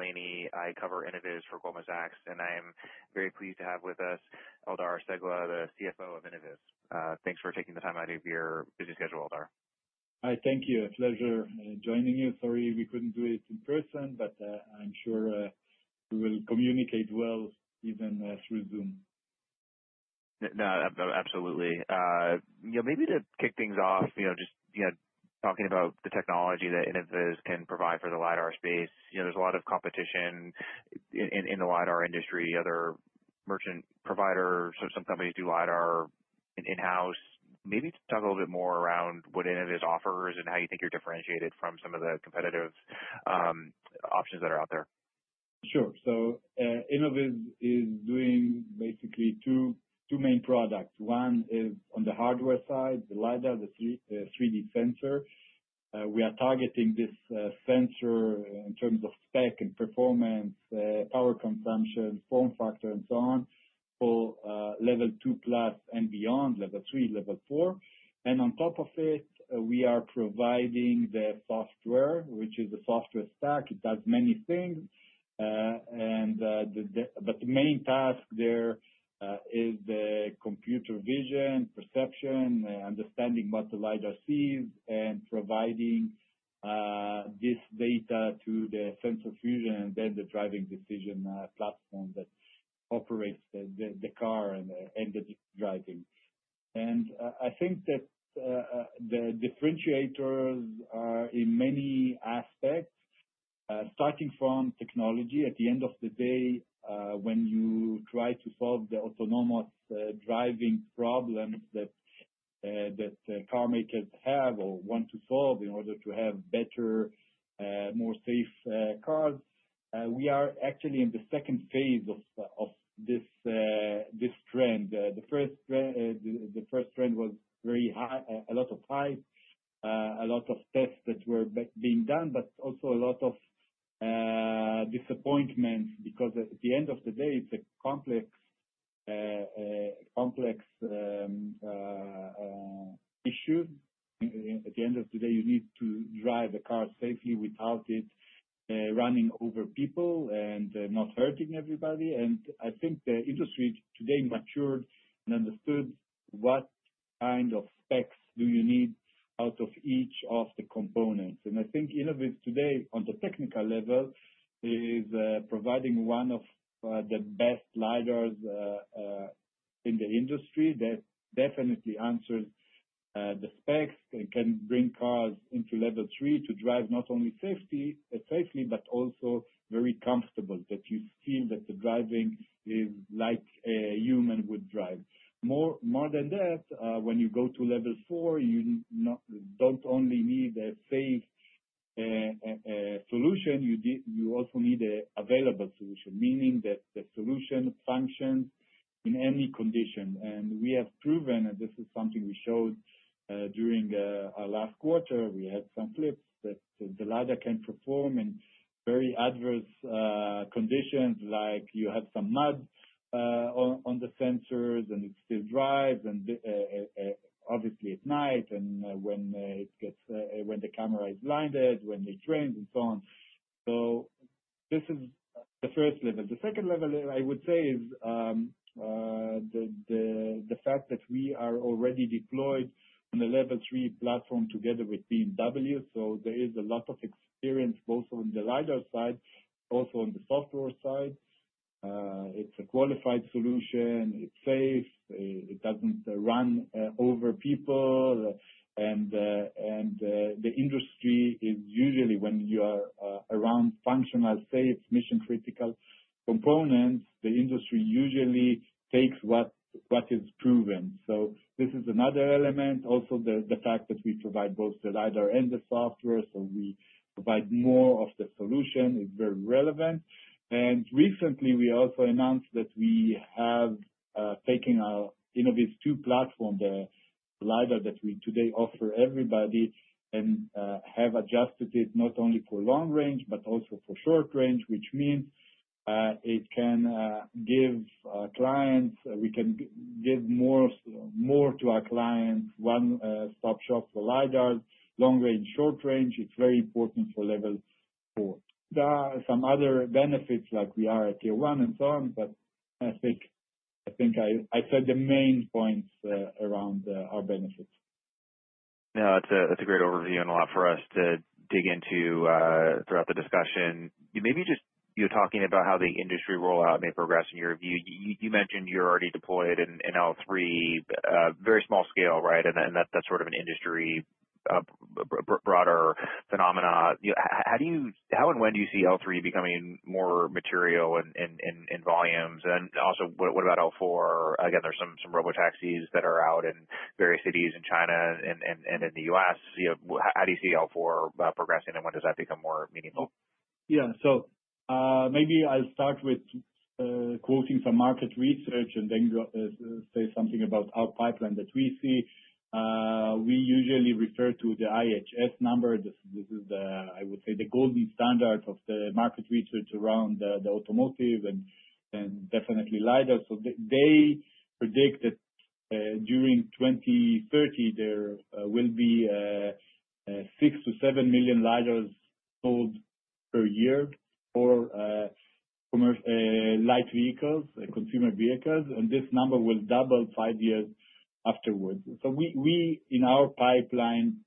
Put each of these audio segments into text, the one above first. Mark Delaney, I cover Innoviz for Goldman Sachs, and I am very pleased to have with us Eldar Cegla, the CFO of Innoviz. Thanks for taking the time out of your busy schedule, Eldar. Hi, thank you. A pleasure joining you. Sorry we couldn't do it in person, but I'm sure we will communicate well even through Zoom. Absolutely. Maybe to kick things off, just talking about the technology that Innoviz can provide for the LiDAR space. There's a lot of competition in the LiDAR industry. Other merchant providers, some companies do LiDAR in-house. Maybe talk a little bit more around what Innoviz offers and how you think you're differentiated from some of the competitive options that are out there. Sure, so Innoviz is doing basically two main products. One is on the hardware side, the LiDAR, the 3D sensor. We are targeting this sensor in terms of spec and performance, power consumption, form factor, and so on for Level 2+ and beyond, Level 3, Level 4, and on top of it, we are providing the software, which is a software stack. It does many things, but the main task there is the computer vision, perception, understanding what the LiDAR sees, and providing this data to the sensor fusion and then the driving decision platform that operates the car and the driving. And I think that the differentiators are in many aspects, starting from technology. At the end of the day, when you try to solve the autonomous driving problems that car makers have or want to solve in order to have better, more safe cars, we are actually in the second phase of this trend. The first trend was very high, a lot of hype, a lot of tests that were being done, but also a lot of disappointments because at the end of the day, it's a complex issue. At the end of the day, you need to drive a car safely without it running over people and not hurting everybody, and I think the industry today matured and understood what kind of specs do you need out of each of the components. And I think Innoviz today, on the technical level, is providing one of the best LiDARs in the industry that definitely answers the specs and can bring cars into Level 3 to drive not only safely, but also very comfortable, that you feel that the driving is like a human would drive. More than that, when you go to Level 4, you don't only need a safe solution, you also need an available solution, meaning that the solution functions in any condition. And we have proven, and this is something we showed during our last quarter, we had some clips that the LiDAR can perform in very adverse conditions, like you have some mud on the sensors and it still drives, and obviously at night and when the camera is blinded, when it rains and so on. So this is the first level. The second level, I would say, is the fact that we are already deployed on the Level 3 platform together with BMW, so there is a lot of experience, both on the LiDAR side, also on the software side. It's a qualified solution. It's safe. It doesn't run over people, and the industry is usually, when you are around functional, safe, mission-critical components, the industry usually takes what is proven, so this is another element. Also, the fact that we provide both the LiDAR and the software, so we provide more of the solution, is very relevant. Recently, we also announced that we have taken our InnovizTwo platform, the LiDAR that we today offer everybody, and have adjusted it not only for long range, but also for short range, which means it can give our clients. We can give more to our clients, one-stop shop for LiDARs, long range, short range. It's very important for Level 4. There are some other benefits, like we are at Tier 1 and so on, but I think I said the main points around our benefits. No, that's a great overview and a lot for us to dig into throughout the discussion. Maybe just you talking about how the industry rollout may progress in your view. You mentioned you're already deployed in L3, very small scale, right? And that's sort of an industry broader phenomenon. How and when do you see L3 becoming more material in volumes? And also, what about L4? Again, there's some robotaxis that are out in various cities in China and in the U.S. How do you see L4 progressing, and when does that become more meaningful? Yeah. So, maybe I'll start with quoting some market research and then say something about our pipeline that we see. We usually refer to the IHS number. This is, I would say, the gold standard of the market research around the automotive and definitely LiDAR. So they predict that during 2030, there will be six to seven million LiDARs sold per year for light vehicles, consumer vehicles, and this number will double five years afterwards. So we, in our pipeline,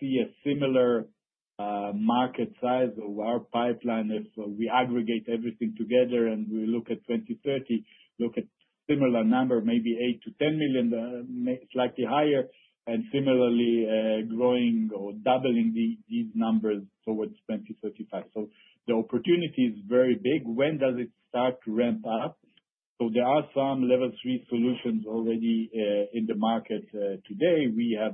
see a similar market size of our pipeline if we aggregate everything together and we look at 2030, look at a similar number, maybe eight to ten million, slightly higher, and similarly growing or doubling these numbers towards 2035. So the opportunity is very big. When does it start to ramp up? So there are some Level 3 solutions already in the market today. We are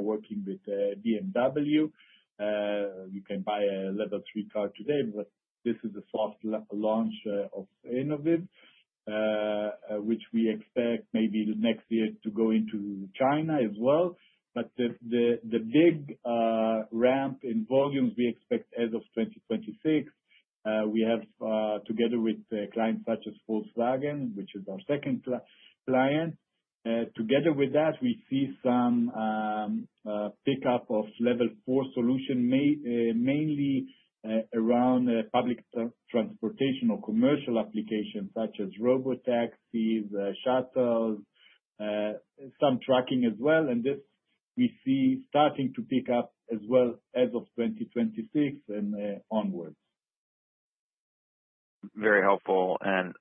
working with BMW. You can buy a Level 3 car today, but this is a soft launch of Innoviz, which we expect maybe next year to go into China as well. But the big ramp in volumes we expect as of 2026, we have together with clients such as Volkswagen, which is our second client. Together with that, we see some pickup of Level 4 solution, mainly around public transportation or commercial applications such as robotaxis, shuttles, some trucking as well. And this we see starting to pick up as well as of 2026 and onwards. Very helpful. And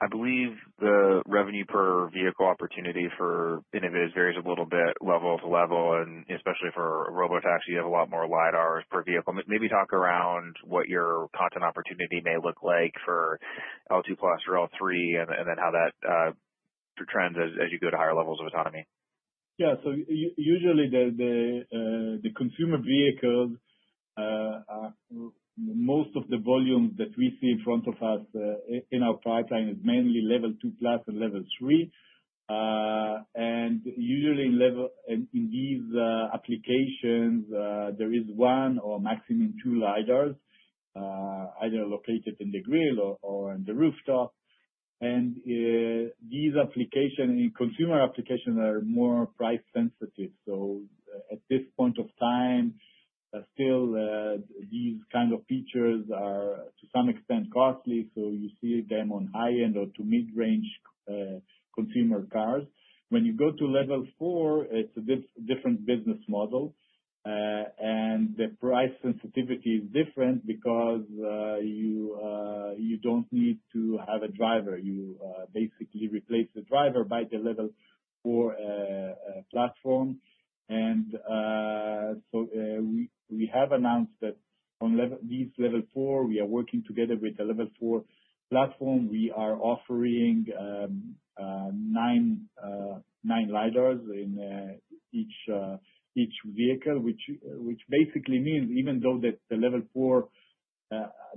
I believe the revenue per vehicle opportunity for Innoviz varies a little bit level to level, and especially for robotaxi, you have a lot more LiDARs per vehicle. Maybe talk around what your content opportunity may look like for L2+ or L3, and then how that trends as you go to higher levels of autonomy. Yeah. So usually, the consumer vehicles, most of the volumes that we see in front of us in our pipeline is mainly Level 2+ and Level 3. And usually, in these applications, there is one or maximum two LiDARs, either located in the grille or on the rooftop. And these applications, consumer applications, are more price sensitive. So at this point of time, still, these kind of features are to some extent costly. So you see them on high-end or to mid-range consumer cars. When you go to Level 4, it's a different business model. And the price sensitivity is different because you don't need to have a driver. You basically replace the driver by the Level 4 platform. And so we have announced that on these Level 4, we are working together with the Level 4 platform. We are offering nine LiDARs in each vehicle, which basically means even though that the Level 4,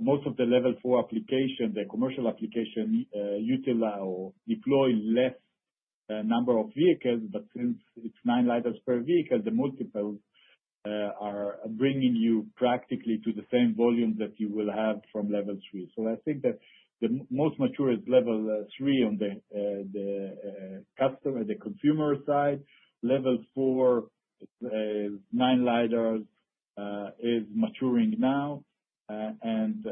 most of the Level 4 application, the commercial application, deploy less number of vehicles, but since it's nine LiDARs per vehicle, the multiples are bringing you practically to the same volume that you will have from Level 3. So I think that the most mature is Level 3 on the consumer side. Level 4, nine LiDARs, is maturing now. And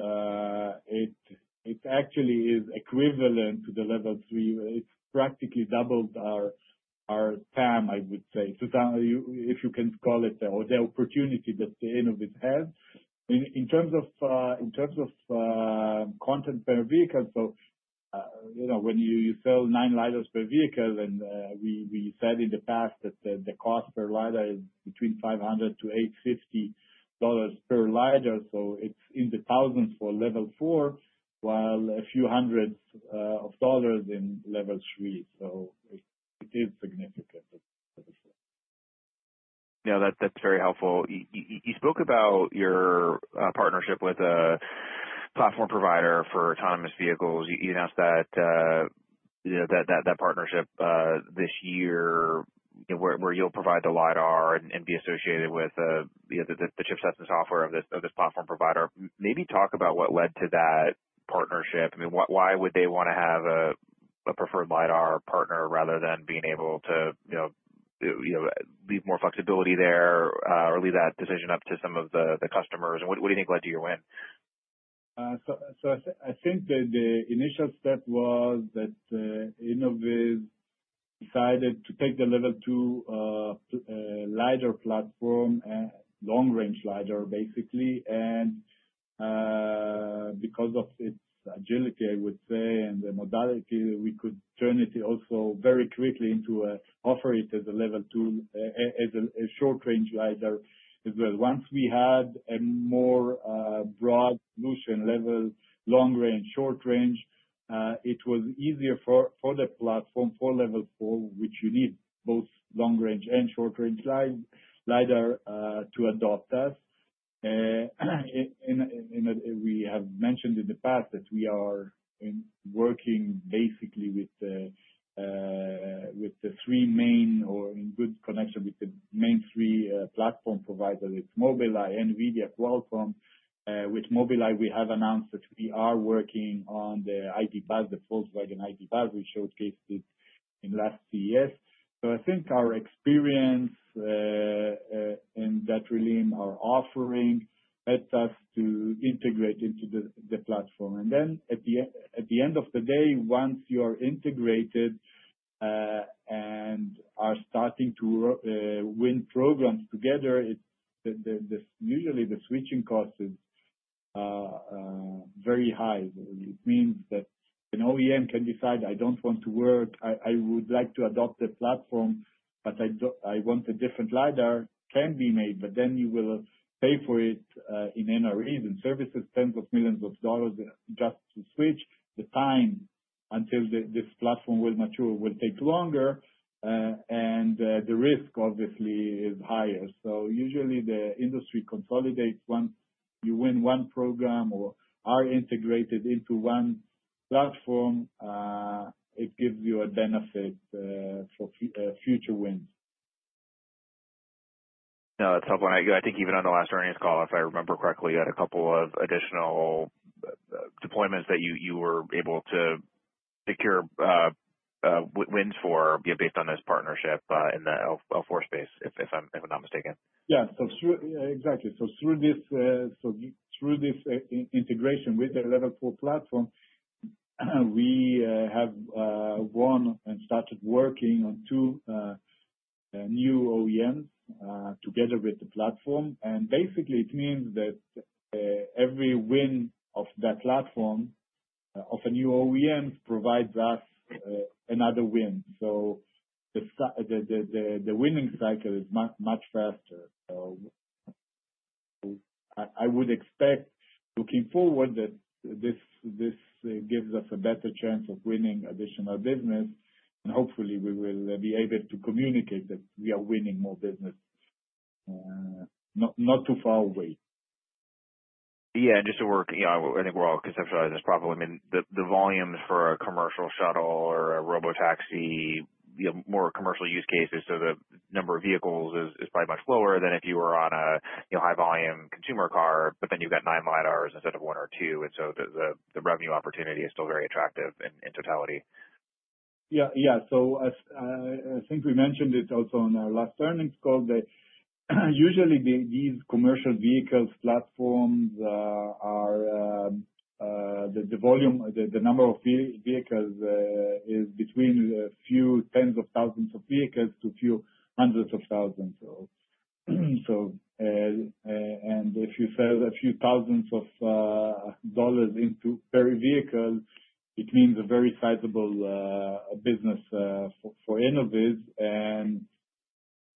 it actually is equivalent to the Level 3. It's practically doubled our TAM, I would say, if you can call it, or the opportunity that Innoviz has. In terms of content per vehicle, so when you sell nine LiDARs per vehicle, and we said in the past that the cost per LiDAR is between $500 to $850 dollars per LiDAR. So it's in the thousands for Level 4, while a few hundreds of dollars in Level 3. So it is significant. Yeah, that's very helpful. You spoke about your partnership with a platform provider for autonomous vehicles. You announced that partnership this year, where you'll provide the LiDAR and be associated with the chipsets and software of this platform provider. Maybe talk about what led to that partnership. I mean, why would they want to have a preferred LiDAR partner rather than being able to leave more flexibility there or leave that decision up to some of the customers? And what do you think led to your win? I think that the initial step was that Innoviz decided to take the Level 2 LiDAR platform, long-range LiDAR, basically. And because of its agility, I would say, and the modality, we could turn it also very quickly into an offer it as a short-range LiDAR as well. Once we had a more broad solution, level long range, short range, it was easier for the platform, for Level 4, which you need both long range and short range LiDAR to adopt us. And we have mentioned in the past that we are working basically with the three main or in good connection with the main three platform providers. It's Mobileye, NVIDIA, Qualcomm. With Mobileye, we have announced that we are working on the ID. Buzz, the Volkswagen ID. Buzz. We showcased it in last CES. So I think our experience and that really in our offering helped us to integrate into the platform. And then at the end of the day, once you are integrated and are starting to win programs together, usually the switching cost is very high. It means that an OEM can decide, "I don't want to work. I would like to adopt the platform, but I want a different LiDAR," can be made, but then you will pay for it in NREs and services, tens of millions of dollars just to switch. The time until this platform will mature will take longer, and the risk, obviously, is higher. So usually, the industry consolidates. Once you win one program or are integrated into one platform, it gives you a benefit for future wins. No, that's helpful. And I think even on the last earnings call, if I remember correctly, you had a couple of additional deployments that you were able to secure wins for based on this partnership in the L4 space, if I'm not mistaken. Yeah. So exactly. So through this integration with the Level 4 platform, we have won and started working on two new OEMs together with the platform. And basically, it means that every win of that platform, of a new OEM, provides us another win. So the winning cycle is much faster. So I would expect looking forward that this gives us a better chance of winning additional business. And hopefully, we will be able to communicate that we are winning more business, not too far away. Yeah. And just to work, I think we're all conceptualizing this properly. I mean, the volumes for a commercial shuttle or a robotaxi, more commercial use cases, so the number of vehicles is probably much lower than if you were on a high-volume consumer car, but then you've got nine LiDARs instead of one or two. And so the revenue opportunity is still very attractive in totality. Yeah. Yeah. So I think we mentioned it also on our last earnings call. Usually, these commercial vehicles platforms, the number of vehicles is between a few tens of thousands of vehicles to a few hundreds of thousands. And if you sell a few thousands of dollars into per vehicle, it means a very sizable business for Innoviz. And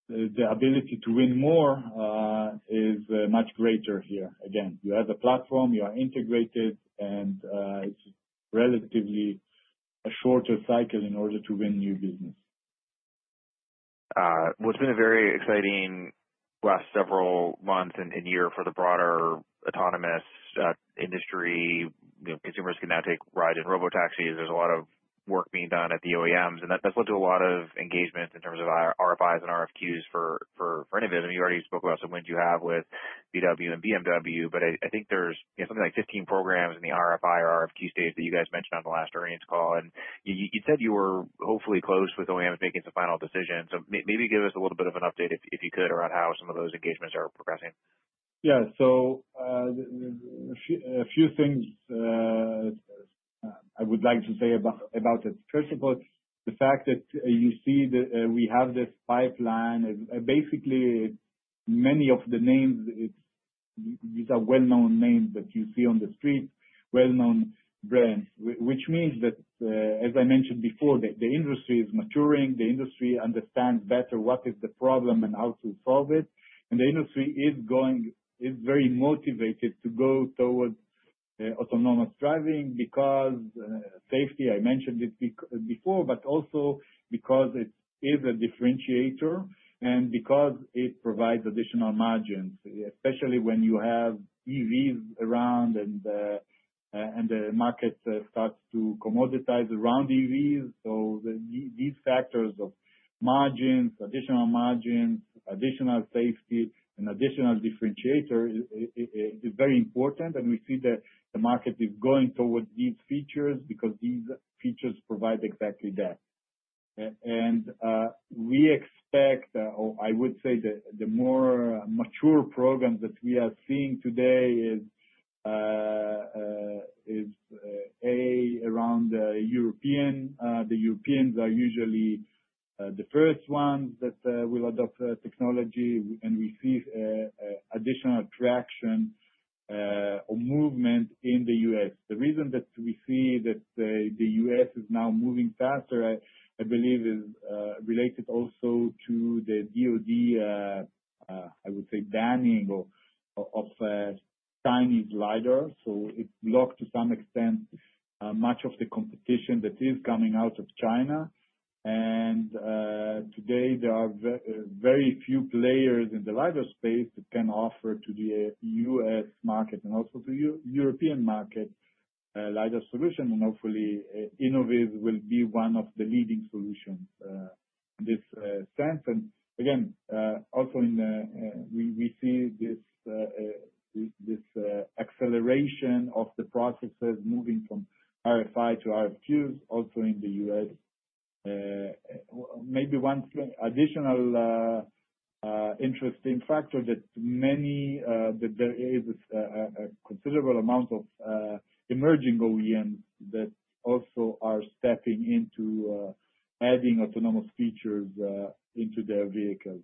the ability to win more is much greater here. Again, you have a platform, you are integrated, and it's relatively a shorter cycle in order to win new business. It's been a very exciting last several months and year for the broader autonomous industry. Consumers can now take ride in robotaxis. There's a lot of work being done at the OEMs, and that's led to a lot of engagement in terms of RFIs and RFQs for Innoviz. I mean, you already spoke about some wins you have with VW and BMW, but I think there's something like 15 programs in the RFI or RFQ stage that you guys mentioned on the last earnings call, you said you were hopefully close with OEMs making some final decisions, so maybe give us a little bit of an update if you could around how some of those engagements are progressing. Yeah. So a few things I would like to say about it. First of all, the fact that you see that we have this pipeline, basically, many of the names, these are well-known names that you see on the street, well-known brands, which means that, as I mentioned before, the industry is maturing. The industry understands better what is the problem and how to solve it. And the industry is very motivated to go towards autonomous driving because safety, I mentioned it before, but also because it is a differentiator and because it provides additional margins, especially when you have EVs around and the market starts to commoditize around EVs. So these factors of margins, additional margins, additional safety, and additional differentiator is very important. And we see that the market is going towards these features because these features provide exactly that. We expect, or I would say, the more mature programs that we are seeing today is A, around the Europeans. The Europeans are usually the first ones that will adopt technology, and we see additional traction or movement in the U.S. The reason that we see that the U.S. is now moving faster, I believe, is related also to the DoD, I would say, banning of Chinese LiDAR. So it blocked to some extent much of the competition that is coming out of China. And today, there are very few players in the LiDAR space that can offer to the U.S. market and also to the European market LiDAR solution. And hopefully, Innoviz will be one of the leading solutions in this sense. And again, also we see this acceleration of the processes moving from RFI to RFQs also in the U.S. Maybe one additional interesting factor that there is a considerable amount of emerging OEMs that also are stepping into adding autonomous features into their vehicles.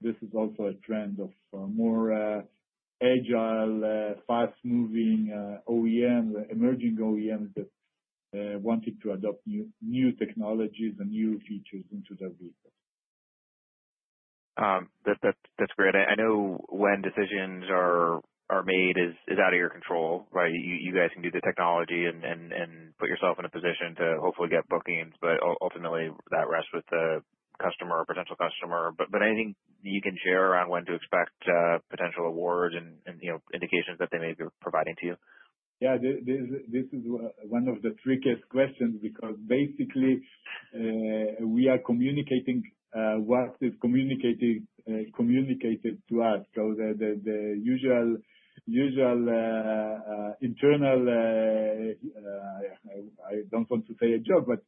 This is also a trend of more agile, fast-moving OEMs, emerging OEMs that wanted to adopt new technologies and new features into their vehicles. That's great. I know when decisions are made is out of your control, right? You guys can do the technology and put yourself in a position to hopefully get bookings, but ultimately, that rests with the customer or potential customer. But anything you can share around when to expect potential awards and indications that they may be providing to you? Yeah. This is one of the trickiest questions because basically, we are communicating what is communicated to us. So the usual internal, I don't want to say a joke, but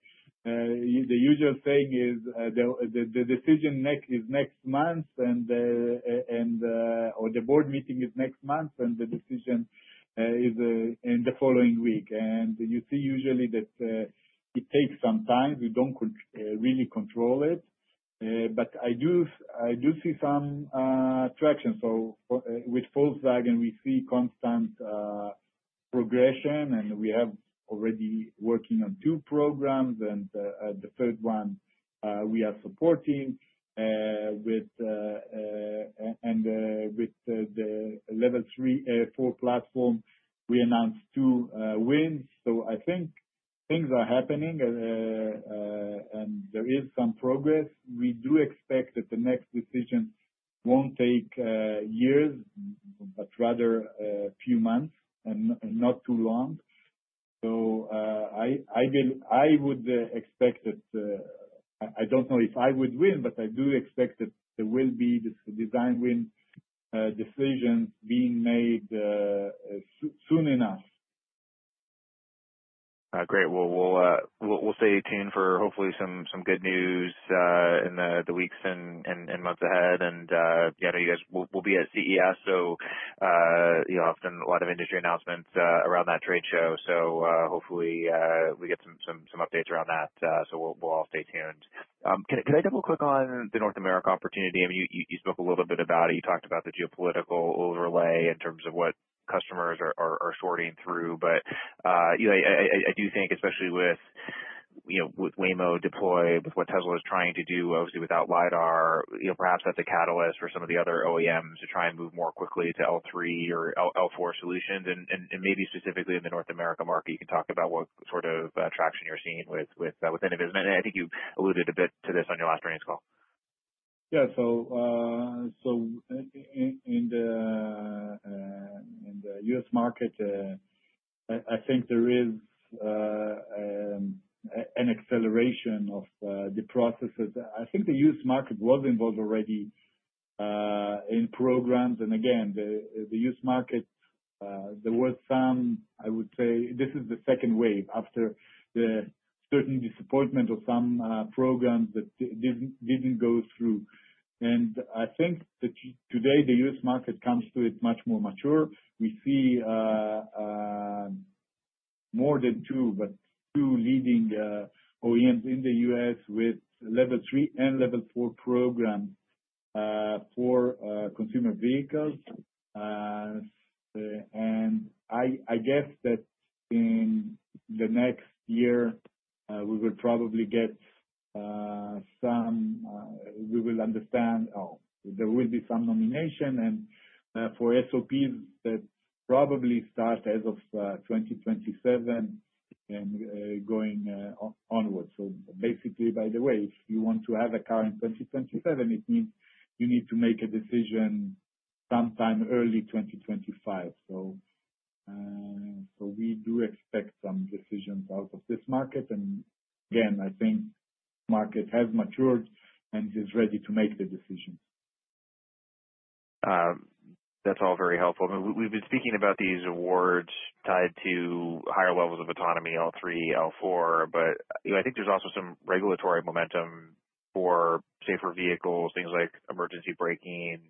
the usual saying is the decision is next month, or the board meeting is next month, and the decision is in the following week, and you see usually that it takes some time. We don't really control it, but I do see some traction, so with Volkswagen, we see constant progression, and we have already been working on two programs, and the third one, we are supporting, and with the Level 3 L4 platform, we announced two wins, so I think things are happening, and there is some progress. We do expect that the next decision won't take years, but rather a few months and not too long. So I would expect that, I don't know if I would win, but I do expect that there will be design win decisions being made soon enough. Great. Well, we'll stay tuned for hopefully some good news in the weeks and months ahead. And I know you guys will be at CES, so you'll have a lot of industry announcements around that trade show. So hopefully, we get some updates around that. So we'll all stay tuned. Can I double-click on the North America opportunity? I mean, you spoke a little bit about it. You talked about the geopolitical overlay in terms of what customers are sorting through. But I do think, especially with Waymo deployed, with what Tesla is trying to do, obviously without LiDAR, perhaps that's a catalyst for some of the other OEMs to try and move more quickly to L3 or L4 solutions. And maybe specifically in the North America market, you can talk about what sort of traction you're seeing with Innoviz. I think you alluded a bit to this on your last earnings call. Yeah. So in the U.S. market, I think there is an acceleration of the processes. I think the U.S. market was involved already in programs. Again, the U.S. market, there was some. I would say this is the second wave after the certain disappointment of some programs that didn't go through. I think that today, the U.S. market comes to it much more mature. We see more than two, but two leading OEMs in the U.S. with Level 3 and Level 4 programs for consumer vehicles. I guess that in the next year, we will probably get some. We will understand, oh, there will be some nomination for SOPs that probably start as of 2027 and going onward. So basically, by the way, if you want to have a car in 2027, it means you need to make a decision sometime early 2025. So we do expect some decisions out of this market. And again, I think the market has matured and is ready to make the decisions. That's all very helpful. I mean, we've been speaking about these awards tied to higher levels of autonomy, L3, L4, but I think there's also some regulatory momentum for safer vehicles, things like emergency braking.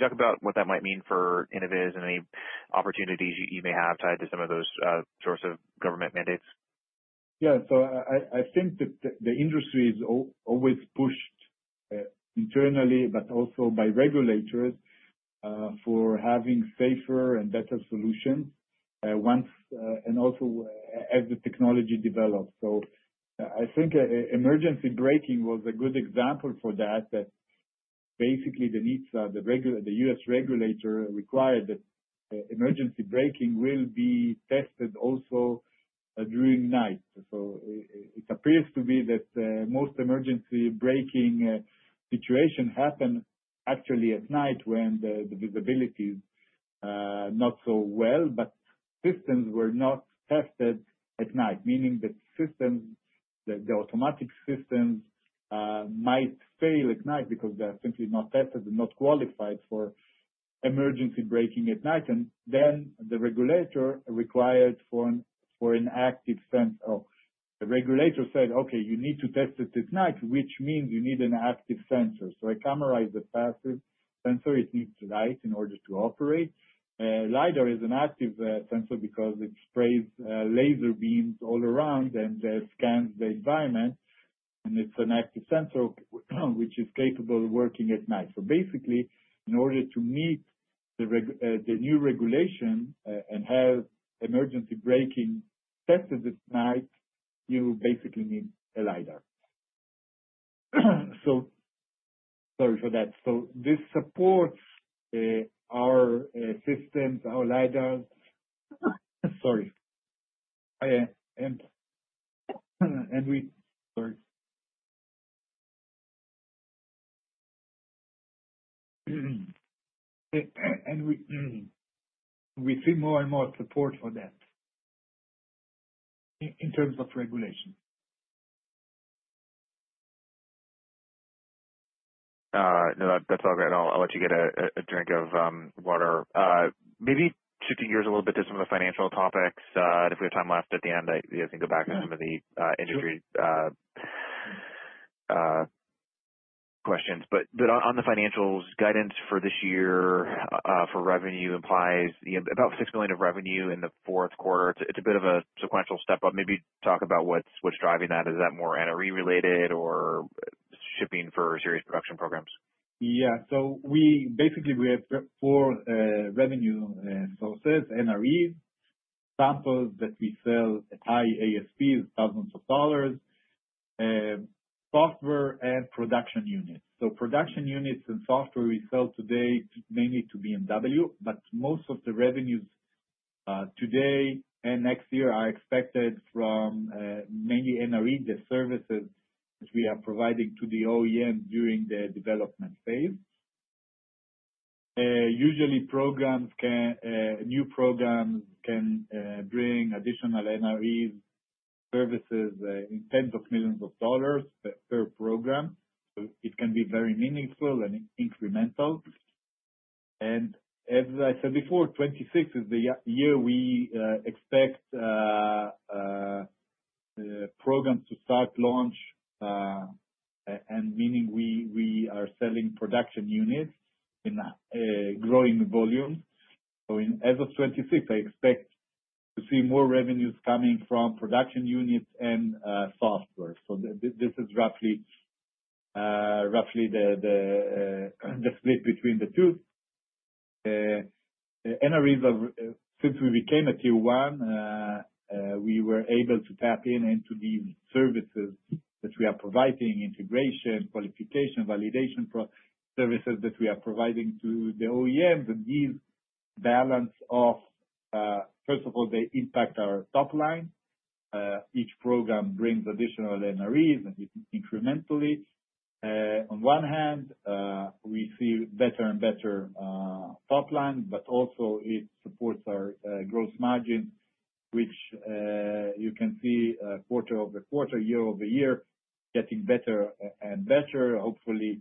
Talk about what that might mean for Innoviz and any opportunities you may have tied to some of those sorts of government mandates. Yeah. So I think that the industry is always pushed internally, but also by regulators for having safer and better solutions once and also as the technology develops. So I think emergency braking was a good example for that, that basically the needs are the U.S. regulator required that emergency braking will be tested also during night. So it appears to be that most emergency braking situations happen actually at night when the visibility is not so well, but systems were not tested at night, meaning that the automatic systems might fail at night because they're simply not tested and not qualified for emergency braking at night. And then the regulator required for an active sensor. The regulator said, "Okay, you need to test it at night, which means you need an active sensor." So I summarize the passive sensor. It needs light in order to operate. LiDAR is an active sensor because it sprays laser beams all around and scans the environment. And it's an active sensor, which is capable of working at night. So basically, in order to meet the new regulation and have emergency braking tested at night, you basically need a LiDAR. So sorry for that. So this supports our systems, our LiDARs. Sorry. And we see more and more support for that in terms of regulation. No, that's all great. I'll let you get a drink of water. Maybe shifting gears a little bit to some of the financial topics. If we have time left at the end, I can go back to some of the industry questions. But on the financials, guidance for this year for revenue implies about $6 million of revenue in the fourth quarter. It's a bit of a sequential step up. Maybe talk about what's driving that. Is that more NRE related or shipping for serious production programs? Yeah. So basically, we have four revenue sources: NREs, samples that we sell at high ASPs, thousands of dollars, software, and production units. So production units and software we sell today mainly to BMW, but most of the revenues today and next year are expected from mainly NRE, the services that we are providing to the OEM during the development phase. Usually, new programs can bring additional NRE services in tens of millions of dollars per program. So it can be very meaningful and incremental. And as I said before, 2026 is the year we expect programs to start launch, meaning we are selling production units in growing volumes. So as of 2026, I expect to see more revenues coming from production units and software. So this is roughly the split between the two. NREs, since we became a Tier 1, we were able to tap into these services that we are providing: integration, qualification, validation services that we are providing to the OEMs. These balance off. First of all, they impact our top line. Each program brings additional NREs incrementally. On one hand, we see better and better top line, but also it supports our gross margins, which you can see quarter over quarter, year over year, getting better and better. Hopefully,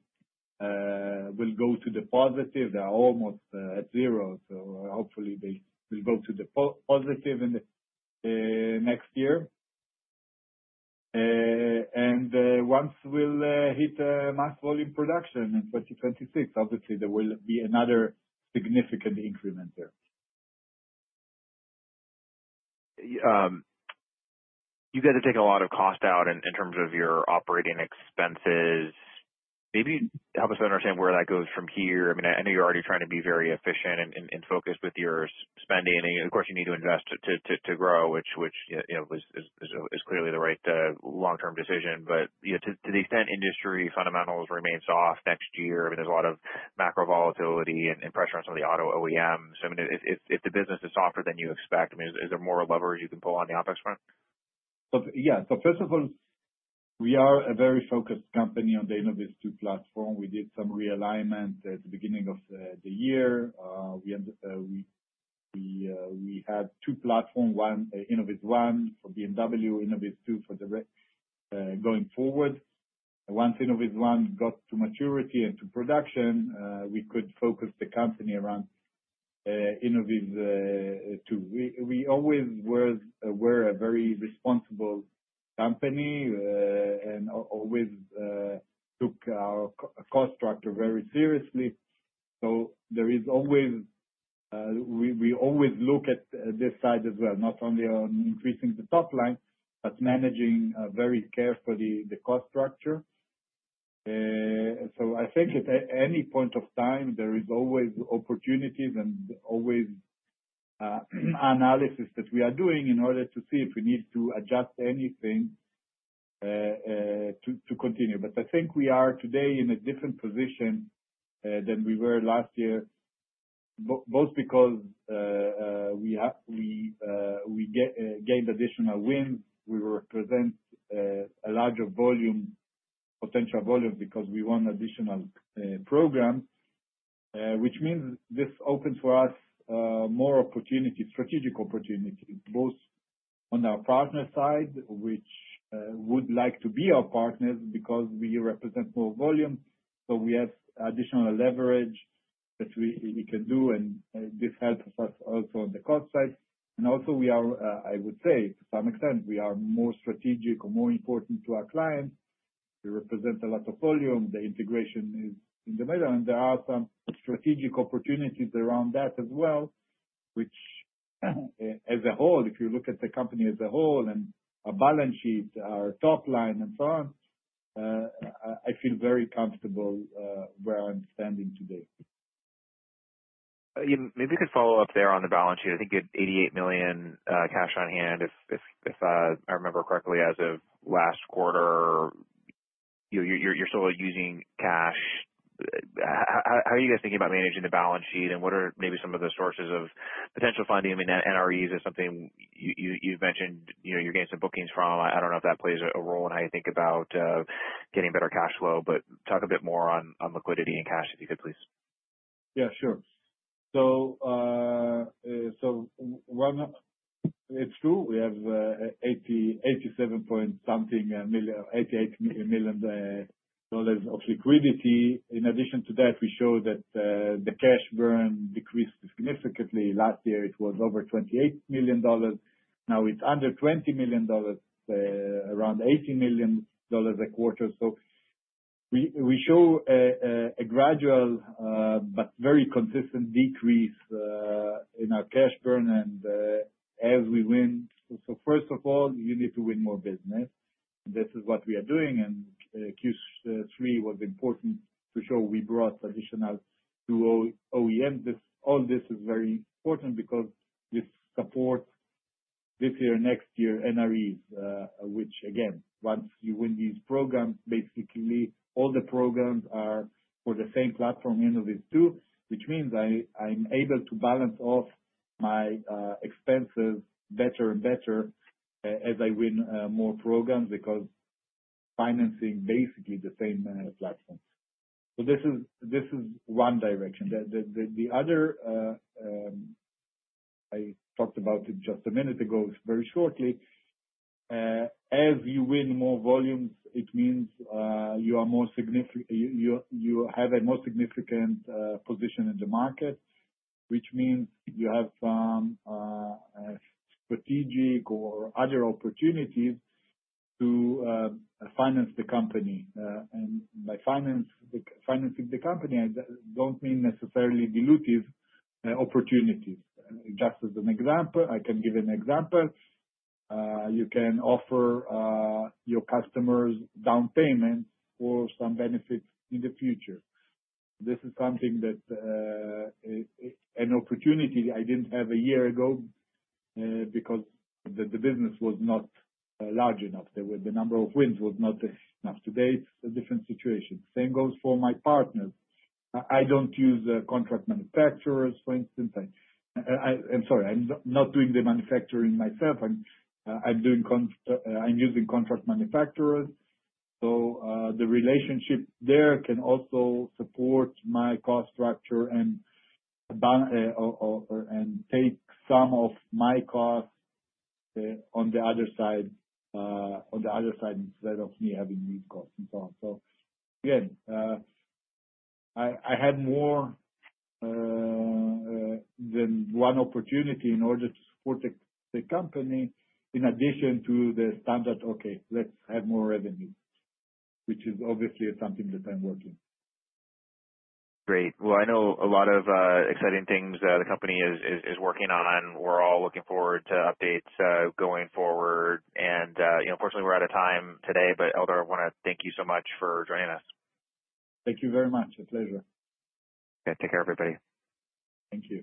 they will go to the positive. They are almost at zero. So hopefully, they will go to the positive in the next year. Once we hit mass volume production in 2026, obviously, there will be another significant increment there. You guys are taking a lot of cost out in terms of your operating expenses. Maybe help us understand where that goes from here. I mean, I know you're already trying to be very efficient and focused with your spending. And of course, you need to invest to grow, which is clearly the right long-term decision. But to the extent industry fundamentals remain soft next year, I mean, there's a lot of macro volatility and pressure on some of the auto OEMs. I mean, if the business is softer than you expect, I mean, is there more levers you can pull on the OpEx front? Yeah. So first of all, we are a very focused company on the InnovizTwo platform. We did some realignment at the beginning of the year. We had two platforms: one InnovizOne for BMW, InnovizTwo for the going forward. Once InnovizOne got to maturity and to production, we could focus the company around InnovizTwo. We always were a very responsible company and always took our cost structure very seriously. So we always look at this side as well, not only on increasing the top line, but managing very carefully the cost structure. So I think at any point of time, there are always opportunities and always analysis that we are doing in order to see if we need to adjust anything to continue. But I think we are today in a different position than we were last year, both because we gained additional wins. We represent a larger volume, potential volume, because we won additional programs, which means this opens for us more strategic opportunities, both on our partner side, which would like to be our partners because we represent more volume, so we have additional leverage that we can do, and this helps us also on the cost side, and also, I would say, to some extent, we are more strategic or more important to our clients. We represent a lot of volume. The integration is in the middle, and there are some strategic opportunities around that as well, which as a whole, if you look at the company as a whole and a balance sheet, our top line, and so on, I feel very comfortable where I'm standing today. Maybe we could follow up there on the balance sheet. I think you had $88 million cash on hand, if I remember correctly, as of last quarter. You're still using cash. How are you guys thinking about managing the balance sheet? And what are maybe some of the sources of potential funding? I mean, NREs is something you've mentioned you're getting some bookings from. I don't know if that plays a role in how you think about getting better cash flow, but talk a bit more on liquidity and cash, if you could, please. Yeah, sure. So it's true. We have $87-point-something to $88 million of liquidity. In addition to that, we show that the cash burn decreased significantly. Last year, it was over $28 million. Now it's under $20 million, around $18 million a quarter. So we show a gradual, but very consistent decrease in our cash burn as we win. So first of all, you need to win more business. This is what we are doing. Q3 was important to show we brought additional to OEMs. All this is very important because this supports this year, next year, NREs, which, again, once you win these programs, basically all the programs are for the same platform, InnovizTwo, which means I'm able to balance off my expenses better and better as I win more programs because financing basically the same platforms. So this is one direction. The other, I talked about it just a minute ago, very shortly. As you win more volumes, it means you have a more significant position in the market, which means you have some strategic or other opportunities to finance the company. And by financing the company, I don't mean necessarily dilutive opportunities. Just as an example, I can give an example. You can offer your customers down payments for some benefits in the future. This is something that an opportunity I didn't have a year ago because the business was not large enough. The number of wins was not enough. Today, it's a different situation. Same goes for my partners. I don't use contract manufacturers, for instance. I'm sorry, I'm not doing the manufacturing myself. I'm using contract manufacturers. So the relationship there can also support my cost structure and take some of my costs on the other side, on the other side instead of me having these costs and so on. So again, I had more than one opportunity in order to support the company in addition to the standard, "Okay, let's have more revenue," which is obviously something that I'm working on. Great. Well, I know a lot of exciting things the company is working on. We're all looking forward to updates going forward. And unfortunately, we're out of time today, but Eldar, I want to thank you so much for joining us. Thank you very much. A pleasure. Okay. Take care, everybody. Thank you.